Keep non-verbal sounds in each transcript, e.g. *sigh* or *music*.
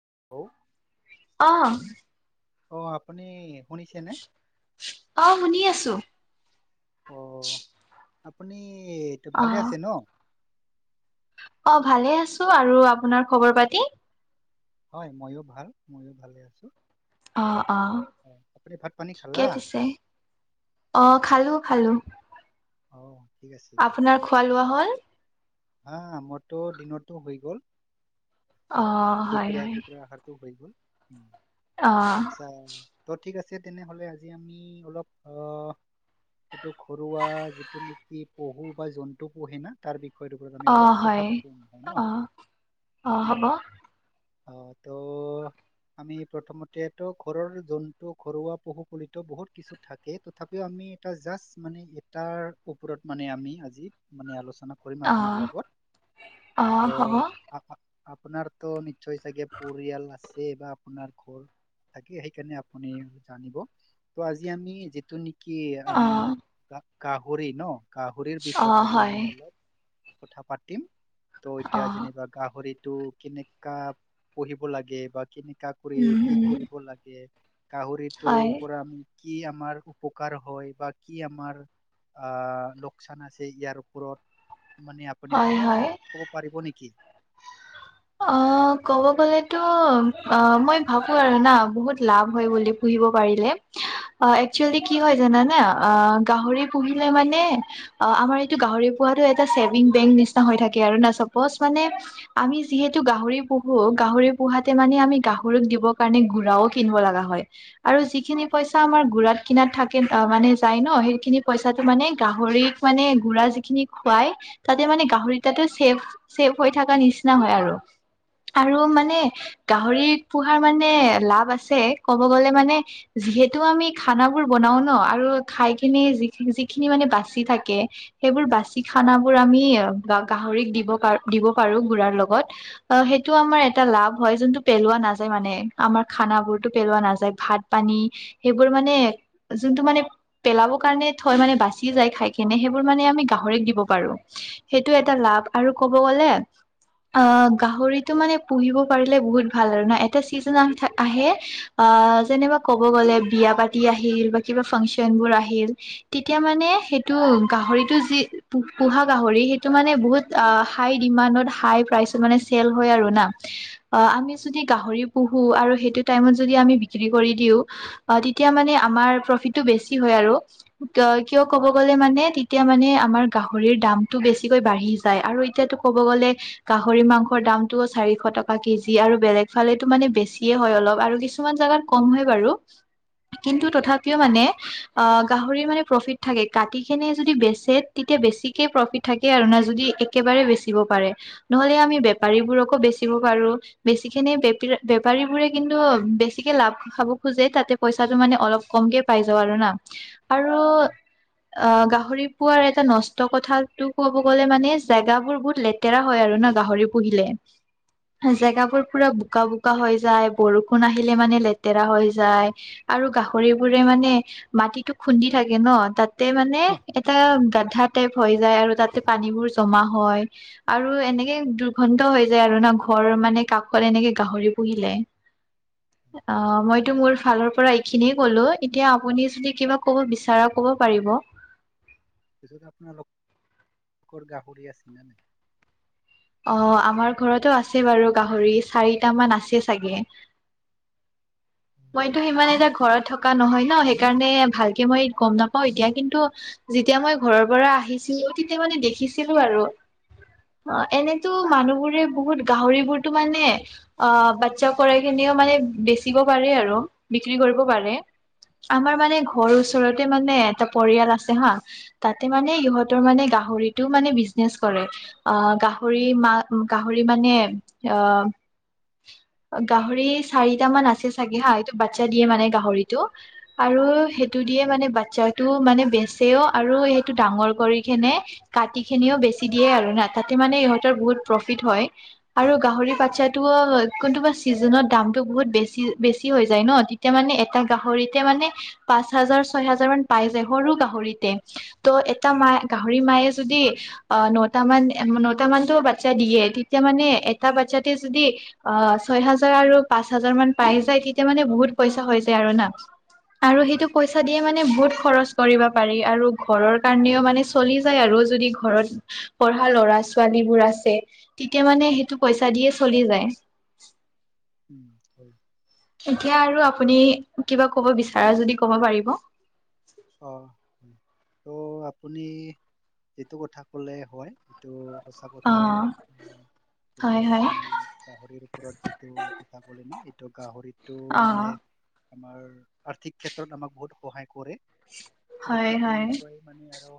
*unintelligible* অ অ আপুনি শুনিছেনে অ শুনি আছো অ আপুনিটো অ ভালে আছে ন অ ভালে আছো আৰু আপোনাৰ খবৰ পাতি হয় ময়ো ভাল ময়ো ভালে আছো অ অ হয় আপুনি ভাত পানী খালা ঠিকে পিছে অ খালো খালোঁ অ ঠিক আছে দিয়া আপোনাৰ খোৱা লোৱা হ'ল? হা মৰতো দিনো হৈ গ'ল অ হয় দুপৰিয়া হয় দুপৰীয়া আহাৰটো হৈ গ'ল উম অ আচ্ছা ত' ঠিক আছে তেনেহলে আজি আমি অলপ আহ এইটো ঘৰুৱা যিটো নেকি পহু বা জন্তু পুহি না তাৰ বিষয় বিষয়টো ওপৰত আমি অ অলপ কথা হয় পাতি হয় ন অ অ হ'ব উম অ ত আমি প্ৰথমতেতো ঘৰৰ জন্তু ঘৰুৱা পশুপুলিত বহুত কিছু থাকে তথাপিও আমি এটা জাষ্ট মানে এটাৰ ওপৰত মানে আমি আজি মানে আলোচনা কৰিম অ আপোনাৰ লগত অ হ'ব ত আপোনাৰতো নিশ্চয় চাগে পৰিয়াল আছে বা আপোনাৰ ঘৰ। থাকে সেইকাৰণে আপুনি জানিব ত আজি আমি যিটো কি অ আমি গাহৰি ন গাহৰিৰ অ বিষয়ত আজি হয় আমি অল কথা পাতিম ত অ এতিয়া যেনিবা গাহৰিত, তটো কেনেকা পঢ়িব লাগে বা কেনেকা কৰি উম কি উম কৰিব লাগে। গাহৰি হয় তোৰ পৰা আমি কি আমাৰ উপকাৰ হয় বা কি আমাৰ, আহ লোকচান আছে ইয়াৰ ওপৰত, মানে আপুনি হয় হয় অলপ ক'ব পাৰিব নেকি? অ কব গলেতো অ মই ভাবো আৰু না বহুত লাভ হয় বুলি পুহি বো পাৰিলে অ একচুৱেলী‌ কি হয় জানা অ গাহৰি পূহিলে মানে অ আমাৰ এইটো গাহৰি পোহাটো চছেভিং বেংক নিচিনা হৈ থাকে আৰু না চাপজ মানে আমি যিহেতু গাহৰি পোহো গাহৰি পোহাতে মানে আমি গাহৰিক দিবৰ কাৰণে ঘোৰাও কিনিব লগা হয়। আৰু যিখিনি পইচা আমাৰ গুৰাত কিনাত থাকে মানে যায় ন সেইখিনি পইচাটো মানে গাহৰি মানে গুড়া যিখিনি খুৱাই তাতে মানে গাহৰিটোৰ চেফ চেফ হৈ থকা নিচ ন হয় আৰু আৰু মানে গাহৰি পোহাৰ মানে লাভ আছে ক'ব গলে মানে যিহেতু আমি খনা বোৰ বনাও ন আৰু খাই খিনি যি যিখিনি মানে বাচি থাকে সেইবোৰ বাচি খানা বোৰ আমি বা গাহৰিক দিব দিব পাৰো *unintelligible* লগত অ সেইটো আমাৰ এটা লাভ হয় যোনটো পেলোৱা নাযায় মানে আমাৰ খানবোৰ টো পেলোৱা নাযায় ভাত পানী সেইবোৰ মানে যোনটো মানে পেলাব কাৰণে থ মানে বাচি খাই কিনে সেইবোৰ মানে আমি গাহৰিক দিব পাৰো সেইটো এটা লাভ আৰু কব গ'লে অ গাহৰিতটো মানে পুহিব পাৰিলে বহুত ভাল আৰু না এটা চিজন আহে অ যেনেবা ক'ব গ'লে বিয়া পাতি আহিল বা কিবা ফাংচন বোৰ আহিল তেতিয়া মানে, সেইটো গাহৰিটো যি পোহ পোহা গাহৰি সেইটো মানে বহুত হাই ডিমানত হাই প্ৰাইচত মানে চেল হয় আৰু না। আ আমি হয় যদি গাহৰি পোহো আৰু সেইটো টাইমত যদি আমি বিক্ৰী কৰি দিওঁ অ তেতিয়া মানে আমাৰ প্ৰফিটটো বেছি হয় আৰু। ত কিয় ক'ব হয় গ'লে মানে তেতিয়া মানে আম আমাৰ গাহৰিৰ দামটো বেছিকৈ বাঢ়ি যায় আৰু এতিয়াতো ক'ব গ'লে গাহৰি মাংসৰ দামটো চাৰিশ টকা কেজি আৰু বেলেগ ফালেটো মানে বেছিয়ে হয় অলপ আৰু কিছ ছুমান জগাত কম হে বাৰু। কিন্তু হয় তথাপিও মানে অ গাহৰি মানে প্ৰফিট থাকে কাটিকিনে যদি বেচে তেতিয়া বেছিকে প্ৰফিট থাকে আৰু না যদি আৰু একেবা বাৰে বেচিব পাৰে। নহ'লে আমি বেপাৰীবোৰকো বেচিব পাৰো, বেছি কিনে বেপ বেপাৰীবোৰে কিন্তু বেছিকে লাভ খাব খোজে তাতে পইচাটো মানে অলপ কমকে পাই যা আৰু না আৰু অ, গাহৰি পোৱাৰ এটা নষ্ট কথাটো ক'ব গ'লে মানে জেগাবোৰ বহুত লে তেৰা হয় আৰু ন গাহৰি পুহিলে, জেগাবোৰ পুৰা বোক বোকা হৈ যায় বৰষুণ আহিলে মানে লেতেৰা হৈ যায় আৰু গাহৰিবোৰে মানে মাটিতো খুন্দি থাকে ন তাতে মানে হয়। এটা গাদধা টাইপ হৈ যায় আৰু তাতে পানীবোৰ জমা হয়। আৰু এনেকে দুৰ্গন্ধ হৈ যায় আৰু ন, ঘৰ মানে কাষত এনেকে গাহৰি পুহিলে। অ', মইতো মোৰ ফালৰ পৰা এইখিনিয়ে কলো এতিয়া আপুনি যদি কিবা কব বিচাৰা ক পাৰিব। পিছত আপোনালোকৰ গাহৰি আছে নে নাই? অ', আমাৰ ঘৰতো আছে বাৰু গাহৰি চাৰিটামান আছে চাগে। *inaudible* মইতো সিমান এটা ঘৰত থকা নহয় ন সেইকাৰণে ভালকে মই গম নাপাও এতিয়া কিন্তু যেতিয়া মই ঘৰৰ পৰা আহিছিলোঁ তেতিয়া মানে দেখিছিলো আৰু অ, আচ্ছা, আচ্ছা। এনেতো মানুহ বোৰে বহুত গাহৰিবোৰতো মানে অ, বাচ্ছা কৰাই কিনিও মানে বেচিব পাৰে আৰু বিক্ৰী কৰিব হয় পাৰে আমাৰ হয় মানে ঘৰৰ ওচৰতে মানে এটা পৰিয়াল আছে হা তাতে মানে ইহঁতৰ মানে গাহৰিটো মানে বিজনেচ কৰে আ, গা গাহৰি মা গাহৰি মানে অ *inaudible* গাহৰি চাৰিটা মান আছে চাগে হা এইটো বাচ্ছা দিয়ে মানে গাহৰিটো আৰু সেই সেইটো দিয়ে হয় মানে বাচ্ছাটো মানে বেছ বেছেও আৰু সেইটো ডাঙৰ কৰি কিনে কাটি খিনিও বেছি দিয়ে আৰু না তাতে মানে ইহঁত ইহঁতৰ বহুত প্ৰফিট হয় আৰু গাহৰি বাচ্ছাটো কোনটো বা ছিজনত দামটো বেছি বেছি হৈ যায় ন তেতিয়া মানে এটা গাহৰিতে মানে পাচ হাজাৰ ছয় হাজাৰ মান পাই যায় সৰু গাহৰিতে ত' এটা উম, মায় গাহৰি মায়ে যদি অ, নটা মান নটা মানটো বাচ্ছা দিয়ে তেতিয়া মানে উম, এটা বাচ্ছাতে যদি অ, ছয় হাজাৰ আৰু পাঁচ হাজাৰ মান পাই যায় তেতিয়া মানে বহুত পইচা হৈ যায় আৰু না। আৰু সেইটো হয় পইচা দিয়ে মানে বহুত খৰচ কৰিব পাৰি আৰু ঘৰৰ কাৰণেও মানে চলি যায় আৰু যদি ঘৰত পঢ়া ল'ৰা ছো ছোৱালী বোৰ আছে তেতিয়া মানে সেইটো পইচা দিয়ে চলি যায়। উম, হয়। এতিয়া আৰু আপুনি কিবা কব বিচাৰা যদি কব পাৰিব। অ', ত' আপুনি এইটো কথা ক'লে হয় এইটো সঁচা অ কথা হয় উম, এইটো হয় হয় আপুনি গাহৰিৰ ওপৰত যিটো কথা ক'লে ন সেইটো ত' গাহৰিটো অ মানে আমাৰ আৰ্থিক ক্ষেত্ৰত আমাক বহুত সহায় কৰে। আৰু হয় ঠিক হয় তেনেকুৱাই মানে আৰু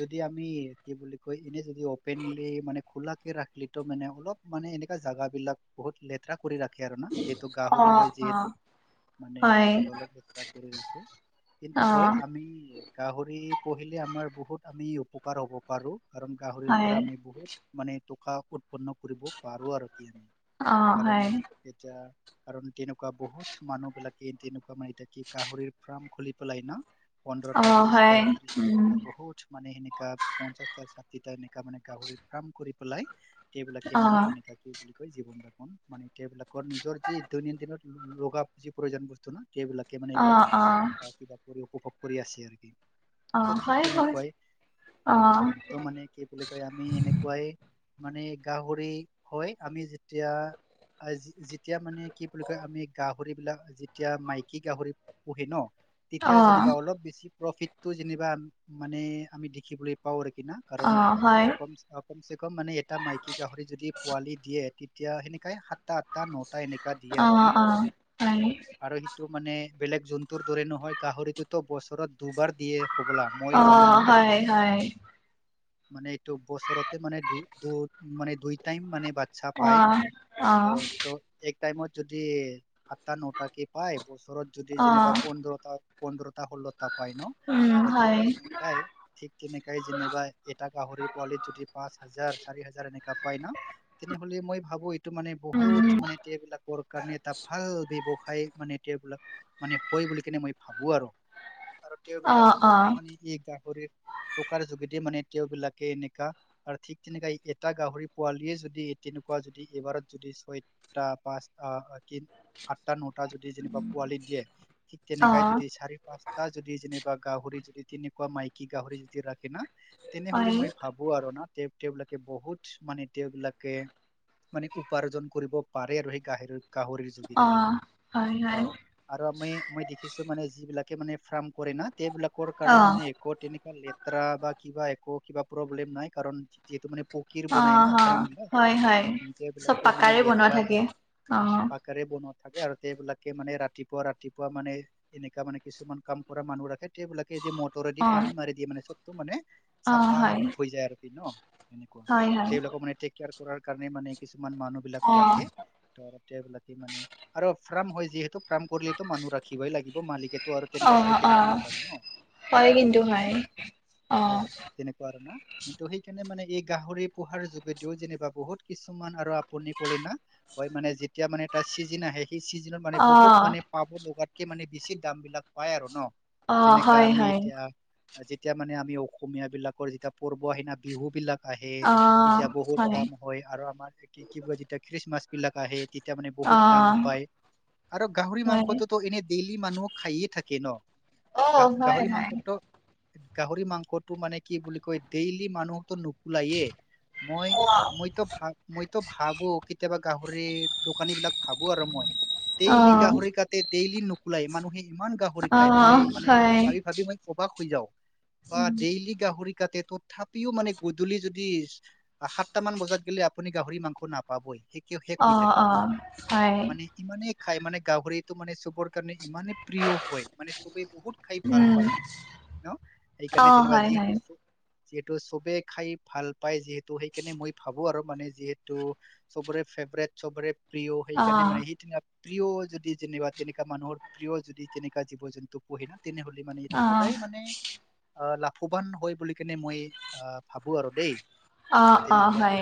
যদি আমি কি বুলি কয়, এনে যদি অপেনলি মানে খোলাকে ৰাখলি ত মানে অলপ মানে এনেকা জাগা বিলাক বহুত লেতেৰা কৰি ৰাখে আৰু না যিহেতু অ গাহৰি হয় অ যিহেতু। মানে হয় কিবাঅলপ লেতেৰা কৰি ৰাখে কিন্তু টো অ হয় আমি গাহৰি পুহিলে আমাৰ বহুত আমি উপকাৰ হ'ব পাৰো। কাৰণ গাহৰিৰ হয় পৰা আমি বহুত মানে টকা উৎপন্ন কৰিব পাৰো আৰু। অ কাৰণ হয় এতিয়া কাৰণ তেনেকুৱা বহুত মানুহ বিলাকে তেনেকুৱা মাই এতিয়া কি গাহৰিৰ ফাৰ্ম খুলি পেলাই ন। অ পোন্ধৰটা বিশটা হয় ত্ৰিশটা উম এনেকা বহুত মানে সেনেকা পঞ্চাশটা ষাঠিটা মানে গাহৰি ফাৰ্ম কৰি পেলাই, সেইবিলাকে অ মানে এনেকা কি বুলি কৈ জীৱন যাপন মানে এতিয়া এইবিলাকৰ নিজৰ যি দৈনন্দিনত লগা যি প্ৰয়োজন বস্তু ন। সেইবিলাকে মানে এইবিলাক অ', অ', আহ কিবা উপভোগ কৰি আছে আৰু কি অহ চ' ঠিক হয় হয় তেনেকুৱাই অ', হয় তো মানে কি বুলি কয় আমি এনেকুৱাই মানে গাহৰি হয় আমি যেতিয়া যেতিয়া মানে কি বুলি কয় আমি গাহৰি বিলাক যেতিয়া মাইকী গাহৰি পুহে ন তেতিয়া অ', যেনিবা অলপ বেছি প্ৰফিতটো যেনিবা মানে আমি দেখিবলৈ পাও কিনা কাৰণ অ', হয়, কম কম চে কম মানে এটা মাইকী গাহৰি যদি পোৱালি দিয়ে তেতিয়া সেনেকাই সাতটা আঠটা নট টা এনেকা দিয়ে আৰু ন অ', অ', ত হয়, আৰু সেইটো মানে বেলেগ জন্তুৰ দৰে নহয় গাহৰিটোতো বছৰত দুবাৰ দিয়ে হ'বলা মই অ', জনামতে হয়, হয়, মানে এইটো বছৰতে মানে দু দু মানে দুই টাইম মানে বা ছা পায় অ', ত অ', ত এক টাইমত যদি আঠটা নটা কে পায় বছৰত যদি যেনিবা অ', পোন্ধৰটা পোন্ধৰটা ষোল পাই ন উম, আৰু ঠিক হয়, তেনেকাই ঠিক তেনেকাই যেনিবা এটা গাহৰি পোৱালি যদি পা পাঁচ হাজাৰ চাৰি হাজাৰ এনেকা পাই ন তেনেহলে মই ভাবো মানে বহুত উম, মানে এইবিলাকৰ কাৰণে এটা ভাল ব্যৱসায় খাই মানে এতিয়া এইবিলাক মানে হয় বুলি কেনে মই ভাবো আৰু আৰু তেওঁ অ', বিলাকৰ অ', মানে এই গাহৰিৰ টকাৰ যোগেদি মানে তেওঁ বিলাকে এনেকা আৰু ঠিক তেনেকা এটা গাহৰি পোৱালিয়ে যদি তেনেকুৱা যদি এইবাৰত যদি ছয়টা পাঁচ আ কি আঠটা ন যদি যেনিবা পোৱালি দিয়ে ঠিক তেনেকাই অ', যদি চাৰি পাঁচটা যদি যে বা গাহৰি যদি তেনেকুৱা মাইকী গাহৰি যদি ৰাখে না তেনেহলে হয়, মই ভাবো আৰু না তেওবিলাকে বহুত মানে তেওঁবিলাকে মানে উপাৰ্জন কৰিব পাৰে আৰু সেই গাহৰিৰ গাহৰি যোগেদি অ', হয়, অ হয়, আৰু আমি মই দেখিছো মানে যিবিলাকে মানে ফ্ৰাম কৰে না তেওবিলাকৰ কাৰণে অ', মানে এক তেনকা ত্ৰা বা কিবা একো কিবা প্ৰব্লেম নাই কাৰণ যিহেতু মানে অ অ হয় হয় সেনকে চব এবিলাকে মানে পাকাৰে বনোৱা লেতেৰা থাকে, অ', পাকাৰে বনোৱা থাকে আৰু তেবিলাকে মানে ৰাতিপুৱা ৰাতিপুৱা মানে এনেকা মানে কিছুমান কাম কৰা মানুহ ৰাখে গোটেইবিলাকে মটৰেদি অ', পানী মাৰি দিয়ে মানে চবটো মানে অ', চাফা হয়, হৈ যায় আৰু কি ন এনেকুৱা হয়, হয়, তেওবিলাকক মানে এতিয়া কেয়াৰ কৰাৰ কাৰণে মানে কি কিছুমান মানুহ বিলাক অ', ৰাখে ত আৰ তেওবিলাকে মানে আৰ ফ্ৰাম হয় যিহেতু ফ্ৰাম কৰিহে তো মানুহ ৰা খিবই লাগিব মালিকেতো আৰু তেনেকুৱা চাই অ', থাকিব অ', নাপায় ন হয় কিন্তু হয়নে হয়, হয় অ', তেনেকুৱা আৰু না কিন্তু সেইকাৰণে মানে এই গাহৰি পোহাৰ যোগেদিও যেনিবা বহুত কিছুমান আৰু আপুনি কলে না হয় মানে যেতিয়া মানে এটা চিজন আহে সেই চিজনত মানে বহুত অ', মানে পাব লগাতকে মানে বেছি দাম বিলাক পায় আৰু ন অ', যেনেকা হয়, আমি হয়। এতিয়া আজি তেতিয়া মানে আমি অসমীয়াবিলাকৰ যেতিয়া পৰ্ব আহে না বিহুবিলাক আহে তেতিয়া বহুত দাম হয় আৰু আমাৰ কি বুলে যেতিয়া খ্ৰীষ্টমাছ বিলাক আহে তিতি তেতিয়া মানে বহুত দাম অ', পায় আৰু গাহৰি হয়, মাংসটো এনে ডেইলি মানুহ খাইয়ে থাকে ন গা অ', হয়, গাহৰি হয়। মাংস ত গাহৰি মাংসটো মানে কি বুলি কয় ডেইলি মানুহতো নোকোলায়ে মই মইতো ভা মইতো ভাবো কেতিয়াবা গাহৰি দোকানী বিলাক ভাবো আৰু মই ডেইলি অ', গাহৰি কাটে ডেইলি নুকোলাই মানুহে ইমান গাহৰি খাই মই অ', মানে হয়, ভাবি ভাবি মই অবাক হৈ যাওঁ বা ডেইলি গাহৰি কাটে তথাপিও মানে গধূলি যদি সাতটা মান বজাত গেলে আপুনি গাহৰি মাংস নাপাবই শেষ অ হৈ থাকে অ হয় মানে ইমানেই খাই মানে গাহৰিটো মানে চবৰ কাৰণে ইমানে প্ৰিয় হয় মানে চবেই বহুত খাই ভাল উম, পায় অ' এইকাৰ অ', জনেকোৱা হয়, যিহেতু হয়, যিহেতু চবে খাই ভাল পায় যিহেতু সেইকাৰণে মই ভাবো আৰু মানে যিহেতু চবৰে। ফেভৰেট সবৰে প্ৰিয় সেইকাৰণে মানে অ', সেই প্ৰিয় যদি। যেনিবা তেনেকাা মানুহৰ প্ৰিয় যদি তেনেকাা জীৱ জন্তু পঢহি না। নে হ মানে এইটো অ', সদায় মানে লাভ। ফবান হয় বুলি কেনে মই আহ ভাবো আৰু দেই। অ-অ তেনেকুৱা হয়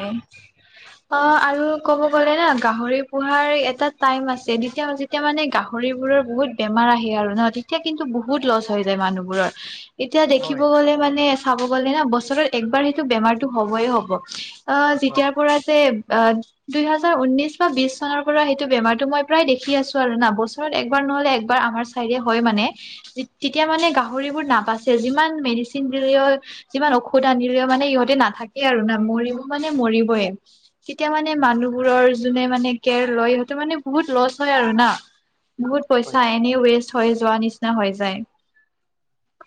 উম, অ' আৰু ক'ব কলে না গাহৰি পোহাৰ এটা টাইম আছে যেতিয়া যেতিয়া মানে গাহৰি বোৰৰ বহুত বেমাৰ আহে। আৰু ন তেতিয়া কিন্তু বহুত লছ হৈ যায় মানুহবোৰৰ এতিয়া দেখিব হয় গলে মানে চাব গ'লে না বছৰত একবাৰ সেইটো বেমাৰটো হবয়ে হব। অ' হয় যেতিয়াৰ পৰা যে অ দুইহেজাৰ ঊনৈশ বা বিশ চনৰ পৰা সেইটো বেমাৰটো মই প্ৰায় দেখি আছো আৰু না বছৰত একবাৰ। নহলে একবাৰ আমাৰ চাই হয় মানে। তেতিয়া হয় মানে গাহৰিবোৰ নাপাইছে যিমান মেডিচিন দিলেও যিমান ঔষধ আনিলেও মানে ইহঁতে না। থাকে আৰু না মৰিব মানে মৰিবইে তেতিয়া মানে উম মানুহবোৰৰ যো মানে কে লয় সিহটো মানে বহুত লছ হয় আৰু না বহুত পইচা হয় এ। থ যোৱা নিচিনা হৈ যায়।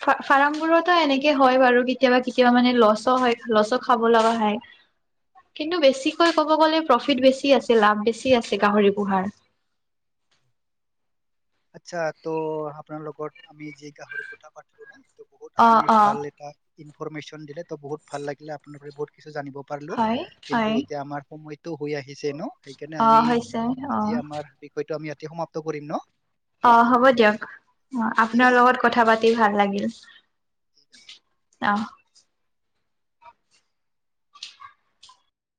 ফাৰ্মবোৰতো এনেকে হয় বাৰু কেতিয়াবা কেতিয়াবা মানে লছ হয়। লছো খাব লগা হয়। কিন্তু বেছিকৈ ক'ব গলে প্ৰফিট বেছি আছে লাভ বেছি আছে গাহৰি পোহাৰ। *inaudible* আচ্ছা ত' আপোনাৰ লগত আমি যি গাহৰি কুটা পাতিলো ন ত বহুত অ' আপুনি ভাল অ' এটা। ইনফৰমেশচন দিলে ত বহুত ভাল লাগিলে আপোনাৰ পৰা বহুত কিছু জানিব পাৰিলো হয় হয় কিন্তু এতিয়া আমাৰ সময়। হৈ আহিছে ন সেইকাৰণে আমি অ' হৈছে আজি অ' আমাৰ বিষয়টো আমি ইয়াতে সমাপ্ত কৰিম ন। অ' হ'ব দিয়ক। অ' ঠিক আপোনাৰ আছে লগত ঠিক কথা পাতি ভাল লাগিল। ঠিক আছে অহ।